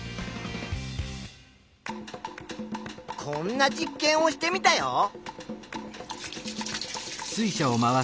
こんな実験をしてみたよ。